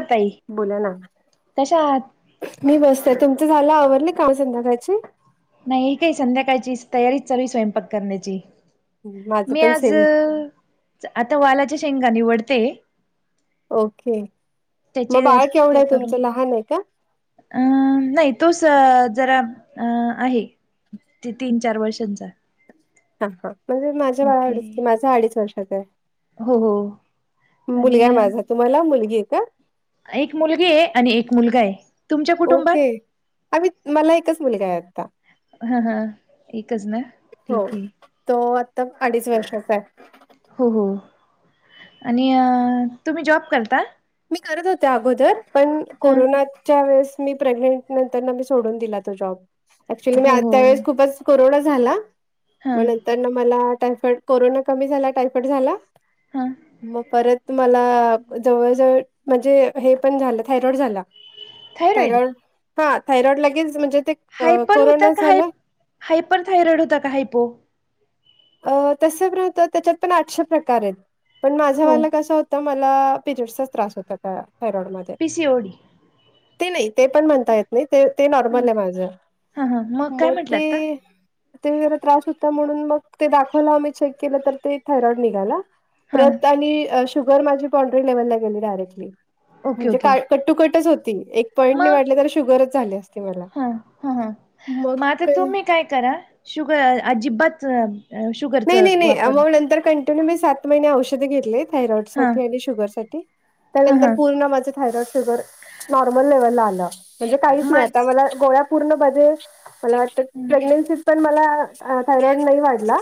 आताई बोला ना मी बसतेय तुमचं झालं आवरडले काय संध्याकायची नाही काही संध्याकाळची तयारीच चालू स्वयंपाक करण्याची माझं मी पण आज सेम आता वालाच्या शेंगा निवडते ओके त्याची मग बाळक एवढा आहे तुमचं लहान आहे का अं नाही तोच जरा अ आहे ते तीन चार वर्षांचा. हा हा म्हणजे माझ्या ओके बाळाच माझं अडीच वर्षाच आहे. हो हो मुलगा आणि माझा तुम्हाला मुलगी आहे का? एक मुलगी आहे. आणि एक मुलगा आहे तुमच्या कुटुंबात. अ् मला एकच मुलगा आहे आत्ता. हा हा एकच ना. ठीक हो. आहे. तो आता अडीच वर्षाचा आहे. हो हो आणि तुम्ही जॉब करता? मी करत होते अगोदर पण हा कोरोनाच्या वेळेस मी प्रेग्नेंट नंतर मी सोडून दिला. तो जॉब ऍक्च्युली मी हो हो त्यावेळेस खूपच. कोरोना झाला हां मग नंतर ना मला टायफॉइड कोरोना कमी झाला टायफॉईड झाला हां मग परत मला जवळ जवळ म्हणजे हे पण झालं थायरॉड झाला थायरॉइड थयरॉइड हा थायरॉइड लागेच म्हणजे ते अ, हायपर होता कोरोना का हा झाला हायपर थायरॉइड होता का हायपो अ तस होत त्याच्यात पण आठशे प्रकार आहेत पण हो माझवाला कस होता मला पजचा त्र होता त्या थायरॉइड म पि सी ओडी ते नाही ते पण म्हणता येत नाही ते ते हां नॉर्मल आहे माझ हां हां काय मग म्हटलं आता ते ते जरा त्रास होता म्हणून मग ते दाखवला आम्ही चेक केलं तर ते थायरॉइड निघाला हां प्रत आणि शुगर माझी पड्री लेवलला गेली डायरेक्टली ओके म्हणजे ओके का कट्टुकटच होती एक पॉईंट नाही वाटले तर शुगरच झाल्यास ह ह ह मता काही तुम्ही काय करा शुग अजिबात नाही शुगरचा नाही नाही वापर मग नंतर कंटिन्यू मी सात महिने औषधे घेतले थायरॉइड हां साठी आणि शुगर साठी हां त्यानंतर हां पूर्ण माझे थायरॉइड शुगर नॉर्मल लेवलला आल म्हणजे काही नाही मग आता मला गोळ्या पूर्ण बरी मला वाटत प्रेग्नेन्सीत पण मला थायरॉइड नाही वाढला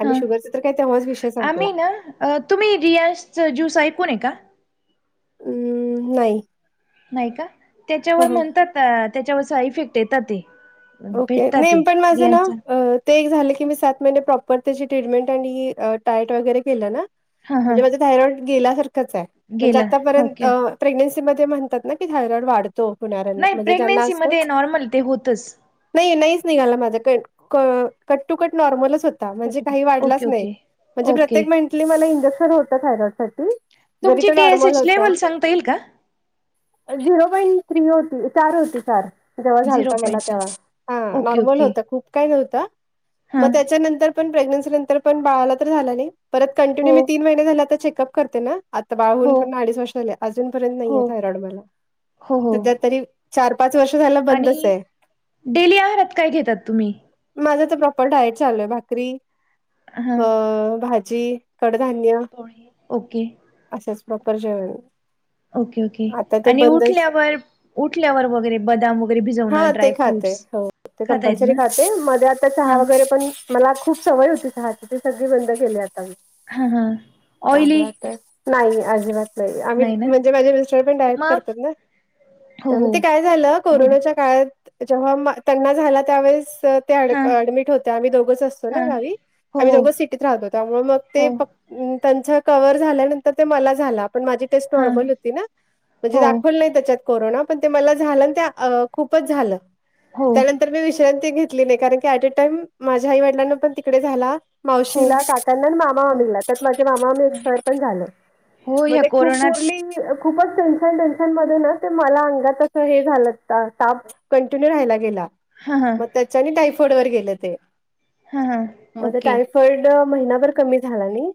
आणि हा शुगरचा तर काही तेव्हाच विषय संपला. आम्ही ना तुम्ही रियाज ज्यूस ऐकून आहे का? हम्म नाही. नाही का ह त्याच्यावर ह म्हणतात त्याच्यावर साई इफेक्ट येतात ते ओके भेटतात नाही ते पण माझं ना रियाजचा ते एक झाले की मी सात महिने प्रॉपर त्याची ट्रीटमेंट आणि डाएट वगैरे केलं ना हां हां म्हणजे माझं थायरॉईड गेल्यासारखंच आहे म्हणजे गेला आतापर्यंत ओके अह प्रेग्नेन्सी मध्ये म्हणतात ना की थायरॉइड वाढतो होणाऱ्यांना नाही म्हणजे ज्यांना प्रेग्नेन्सी असतो मध्ये नॉर्मल ते होतच नाही नाहीच निघाला माझा कट टू कट नॉर्मलच होत ता म्हणजे काही वाढलाच ओके नाही, ओके म्हणजे ओके प्रत्येक मिनिटाला मला इंजेक्शन होत थायरॉईड साठी जरी तुमची ते टी एस नॉर्मल एच होत लेवल सांगता येईल का झिरो पॉइंट थ्री होती चार होती चार जेव्हा झिरो झालता मला पॉईंट चार तेव्हा हा ओके नॉर्मल ओके होत खूप काही नव्हतं मग हां त्याच्यानंतर पण प्रेग्नसी नंतर पण बाळाला तर झाला नाही परत हो कंटिन्यू मी तीन महिने झाले आता चेकअप करते ना आता बाळ हो होऊन पण अडीच वर्ष झाले अजून पर्यंत नाहीये हो थायरॉइड मला हो हो सध्या तरी चार पाच वर्ष झालं बंदच आणि आहे. डेली आहारात काय घेतात तुम्ही? माझ तर प्रॉपर डायट चालू आहे भाकरी हां अह भाजी कडधान्य होय ओके. असच प्रॉपर जेवण ओके ओके आता ते आणि बंदच उठल्यावर उठल्यावर वगैरे बदाम वगैरे हा भिजवणं ते खाते ड्रायफ्रूट्स हो ते खाता येत कंपल्सरी ना खाते मध्ये आता चहा हां वगैरे पण मला खूप सवय होती चहाची ते सगळी बंद केली आता मी. हां हां ऑइली त्यामुळे आता नाही अजिबात नाही आम्ही म्हणजे माझे मिस्टर पण डाएट मग करतात ना हो हो त्यामुळे ते काय झालं गुड कोरोनाच्या काळात जेव्हा त्यांना झाला त्यावेळेस ते एड हा ऍडमिट होते आम्ही दोघंच असतो हा ना गावी हो आम्ही हो दोघ सिटीत राहतो त्यामुळे मग ते हो प त्यांचा कवर झाल्यानंतर ते मला झाला पण माझी हा नॉर्मल होती ना म्हणजे हो दाखवली नाही त्याच्यात कोरोना पण ते मला झालं ते खूपच झालं हो त्यानंतर मी विश्रांती घेतली नाही कारण की ऍट अ टाईम माझ्या आई वडिलांना पण तिकडे झाला हो मावशीला, काकांना आणि मामा हो मामी ला, त्यात माझे मामा मामी एक्सपायर पण झाले हो मग ह्या ते खूप कोरोनात [unintelligible] खूपच टेन्शन टेन्शन मध्ये ना ते मला अंगात हे झालं ताप कंटिन्यू राहिला गेला हां हां म त्याच्याने टायफॉइड वर गेल ते. हां हां मग आता ओके टाय फॉइड महिनाभर कमी झाला नाही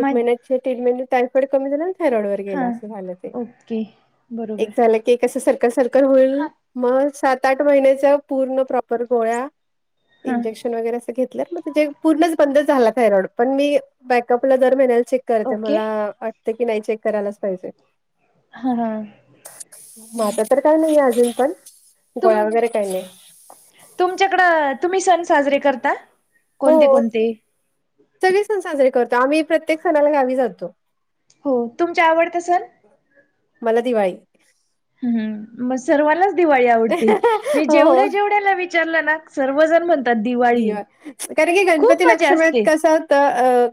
एक मग महिन्याची ट्रीटमेंट टायफॉइड कमी झाला थायरॉईड वर गेलं हां अस झालं ते ओके एक बरोबर झालं एक अस सर्कल सर्कल होऊन मग सात आठ महिन्याच्या पूर्ण प्रॉपर गोळ्या हां इंजेक्शन वगैरे असं घेतलं मग जे पूर्णच बंदच झाला थायरॉईड पण मी बॅकअपला दर महिन्याला चेक करते ओके मला वाटते की नाही चेक करायलाच पाहिजे हां हां म आता तर काय नाही आहे अजून पण तुम गोळ्या वगैरे काही नाही. तुमच्याकडं तुम्ही सण साजरे करता? कोणते हो कोणते? सगळे सण साजरे करतो. आम्ही प्रत्येक सणाला गावी जातो. हो तुमच्या आवडतं सण? मला दिवाळी हम्म मग सर्वांलाच दिवाळी आवडते मी हो जेवढ्या जेवढ्याला विचार सर्वजण म्हण दिवा कारण की गणपती मजा लक्षम आहेत असते कसं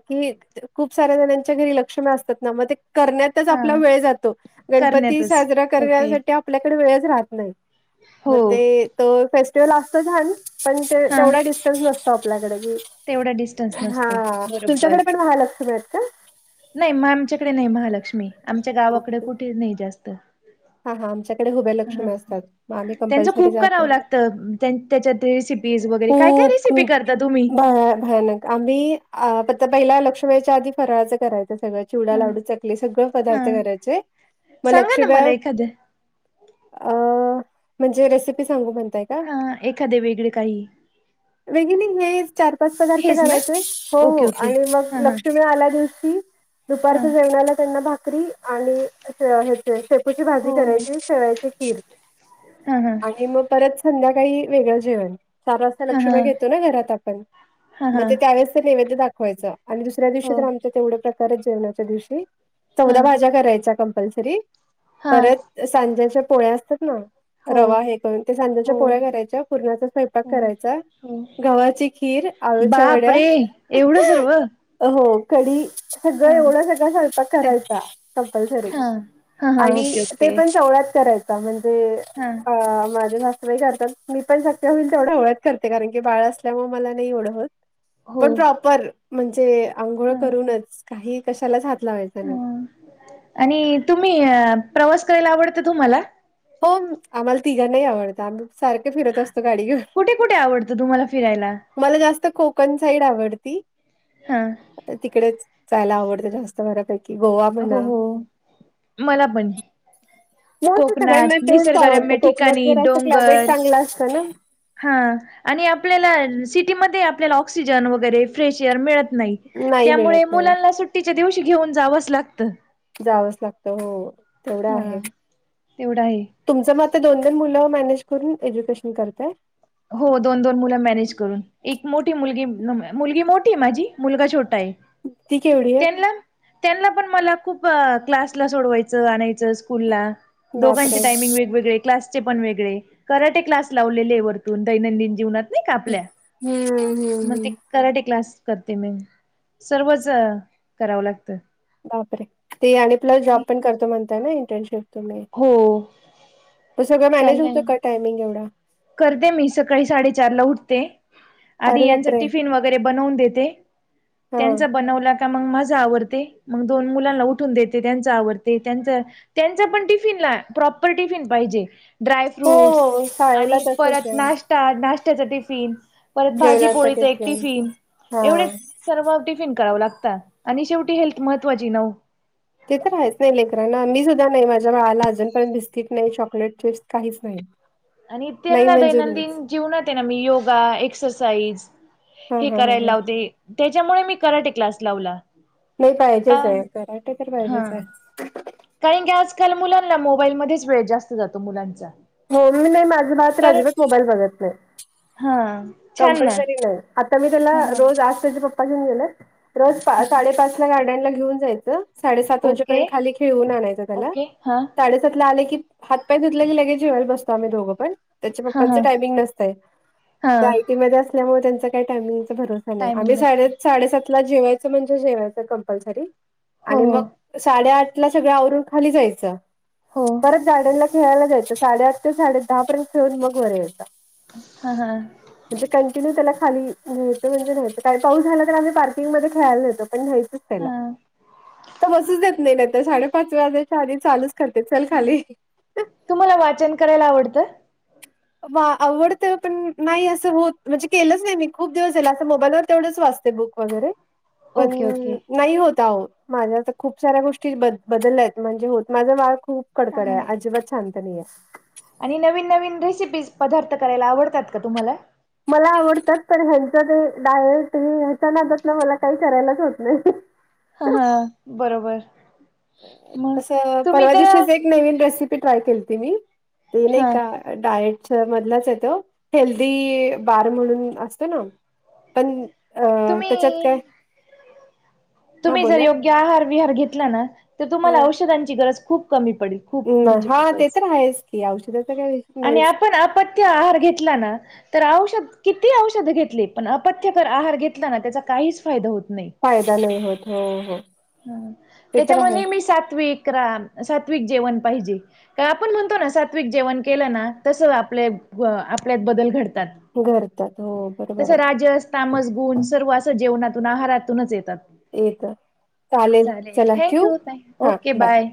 की खूप साऱ्या जच्या घरी लक्ष असतात ना मग ते कर हा आपला वेळ जातो गणपती करण्यातच साजरा ओके करण्यासाठी आपल्याकडे वेळच राहतो नाही म हो ते तर फेस्टिवल असत ान पण हा तेवढा दि त आपल्याकडे क तेवढा डिस्टन्स ह नसतो बरोबर तुमच्याकडे पण महालक्षमी आहेत का नाही म आमच्याकडे नाही महालक्ष्मी आमच्या गावाकडे ओके कुठे नाही जास्त हा हा आमच्याकडे हुबे ह लक्ष्मी असतात मग आम्ही त्यांचं कंपल्सरी खूप जाते करावं लागतं त्याच्यात रेसिपीज वगैरे काय काय खूप रेसिपी खूप करता तुम्ही भ भयानक आ्ही अ आता पहिला लक्ष व्यायच्या आधी फराळाचं करायचं सगळं चिवडा ह लाडू चकले सगळं हा पदार्थ करायचे मग सांगा ना लक्ष्म्या मला एखाद्या अ म्हणजे रेसिपी सांगू म्हणताय का? हा एखादे वेगळे काही बेगिनंग चार पाच पदार्थ हेच ना करायचेय हो ओके ओके आणि मग हा हा लक्ष्मी आल्या दिवशी हा दुपारच्या जेवणाला त्यांना भाकरी आणि श ची भाजी हो करायची शेवायची खीर हा हा आणि मग परत संध्याकाळी वेगळं जेवण सार वाजता हा लक्ष हा म घेतो ना घरात आपण हा मग हा ते त्यावेळेस ते नेवेद दाखवायचं आणि दुसऱ्या दिवशी हो तर आमच्या तेवढ्या प्रकारच जेवणाच्या दिवशी हा चौदा भाज्या करायचा कंपल्सरी हा परत सांज्याच्या पोळ्या असतात ना हो रवा हे करून ते सांध्याच्या हो पोळ्या करायच्या पूर्णाचा स्वयंपाक हो करायचा हो गव्हाची खीर आळूच्या वड्या बापरे एवढं सर्व हो कडीी सगळं हा एवढं सगळं स्वयपाक सांग करायचा कंपल्सरी हा हा हा आणि ओके ते ओके पण सवळ्यात करायच म्हणजे हा अ माझे झाासतबाई करतात मी पण शक्य होईल तेवढं ओळ्यात करते कारण की बाळ असल्यामुळे मला नाही ओढं होत हो पण प्रॉपर म्हणजे आंघोळ हा करूनच काही कशालाच हात लावायचा नाही हा आणि तुम्ही प्रवास करायला आवडत तुम्हाला हो आम्हाला तिघं नाही आवडत आमही सारखे फिरत असतो गाडी घे कुठे कुठे आवडतं तुम्हाला फिरायला मला जास्त कोकण साईड आवडती हा तिकडेच जायला आवडतें जास्त बऱपैकी हो हो मला पण जास्त सगळ्यांना कोकणात तेच निसर्गरम्य आवडतं कोकणात ठिकाणी जर असं क्लायमेट डोंगर चांगलं असतं ना हा आणि आपल्याला सिटीमध्ये आपल्याला ऑक्सिजन वगैरे फ्रेश एअर मिळत नाही नाही त्यामुळे मिळत नाही मुलांना सुट्टीच्या दिवशी घेऊन जावंच लाग जावंच लागतं हो तेवढं हा. आहे तेवढा आहे. तुमचं मग आ दोन दोन मुलं मॅनेज करून एज्युकेशन करतय हो दोन दोन मुलं मॅनेज करून एक मोठी मुलगी मुलगी मोठी आहे माझी मुलगा छोटा आहे ती केवढी आहे त्यांनला त्यांना पण मला खूप क्लासला सोडवायचं आणायचं स्कूलला दोघांचे बापरे टायमिंग वेगवेगळे क्लासचे पण वेगळे कराटे क्लास लावलेले आहे वती दैनंदिन जीवनात नाही का आपल्या हम्म हम्म मग हम्म ते कराटे क्लास करते मी सर्वच करावं लागतं बापरे ते आणि प्लस जॉब पण करतो म्हणताय ना इंटर्नशिप तु हो प सगळं मॅनेज होतं चाललंय का टायमिंग एवढा करते मी सकाळी साडेचार ला उठते आधी अरे यांच बापरे! टिफिन वगैरे बनवून देते हां. त्यांचा बनव का मग माझा आवडते मग दोन मुलांना उठून देते त्यांच आवते त्यांच त्यांचा पण टिफिनला प्रॉपर टिफिन पाहिजे ड्राय फ्रूट्स हो, शाळेला आणि तसंच परत आहे. नाश्ता नाश्त्याचा टिफिन परत भाजी पोळीच जेवणासाठी एक सेम. टिफिन हां. एवढेच सर्व टिफिन करावं लागतात आणि शेवटी हेल्थ महत्वाची नव ते तर आहेयच नाही लेकरराना मी सुद्धा नाही माझ्या बाळाला अजूनपर्यंत बिस्किट नाही चॉकलेट चिप्स काहीच नाही हम आणि त्यांना दैनंदिन जीवनात आहे ना मी योगा एक्सरसाइज हां, हे हां, हां, करायला हां. लावते त्याच्यामुळे मी कराटे क्लास लावला नाही का पाहिजेच आहे कराटे तर हा पाहिजेच आहेत कारण की आजकाल मुलांना मोबाईलमध्येध्येच वेळ जास्त जातो मुलांचा मम् ममी नाही माझे भात तर राजीवच मोबाईल बघत नाही हा छान ना कंपल्सरी नाही आता मी त्याला ह रोज आज त्याच्या पप्पा घेऊन गेलो रोज साडे पाच ला गा जा ख ख ओके ओके हा आणा आ की हात पाय धत की लगेजेस बसो आम्ही दोघं पण त्याच्या हा पप्पचं हा टाइमिंग नसतय हा त्या आयटी मध्ये असल्यामुळे त्यांचा काही टायमिंगचा भरोसा नाही टायमिंग आम्ही सा नसत साडेसात जेवायच म्हणजे जेवायच कंपल्सरी हो आणि हो मग साडे आठ ला सगळं आवरून खाली जायचं हो परत झाडला खेळायला जायचं साडेआठ ते साडे दहा पर्यंत खेळून मग बरे येतं हा हा म्हणजे कंटिन्यू त्याला खाली घ्यायं म्हणजे नाहीय का पाऊ झाला तर आम्ही पार्कंगमध्येध्ये खेयला येतो पण नाही सूच हा देत नाही नाही तर साडे पाच वाजेच्या आध चालू करते चल खाली तुम्हाला वाचन करायला आवडतं वा आवडतं पण नाही असं होत म्हणजे केलंच नाही मी खूप दिवस झाला असं मोबाईलवर तेवढंच वाचत बुक वगैरे पण ओके ओके नाही होत हो माझ्या तर खूप साऱ्या गोष्टी ब बदलल्यात म्हणजे होत माझं बाळ खूप कडकडे ह अजिबा छांतनीये आणि नवीन नवीन रेसिपीज पदार्थ करायला आवडतात का तुम्हाला मला आवडतात पण ह्यांच ते डायट ह्याच्या नादात ना मला काही करायलाच होत नाही ह हा बरोबर मग तं तुम्ही परवा तर दिशीच एक नवीन रेसिपी ट्राय केली त मी ते नाही हा का डाएट मधलाच येतो हेल्दी बार म्हणून असतो ना पण अ त्याच्यात काय तुम्ही हा तुम्ही जर बोला योग्य आहार विहार घला ना तर हा तुम्हाला औषधांची गरज खूप कमी पडेल खूप म्हणजे हा ते खूपच तर आहेच की औषधाचा काय विष आणि नाहीच आपण आप्य आहार घेतला ना तर औषध किती औषध घेतली पण ्य आार घेतलाना त्याचा काहीच फायदा होत नाही फायदा नाही होत हो हो ह ते तर त्याच्यामध्ये आहे नेह ममी सात्विक्रम सात्विक जेवण पाहिजे काय आपण म्हणतो ना सात्विक जेवण केलं ना तसं आपले आपल्यात बदल घडतात घरतात हो बरोबर तसं आहे राजस तामस गुण सर्व असं जेवणातून आहारातूनच येतात आहे येत चालेल चला थँक ठेवू यू ओके बाय